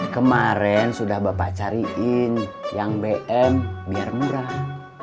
kemarin sudah bapak cariin yang bm biar murah